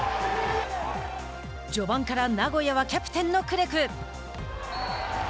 序盤から名古屋はキャプテンのクレク。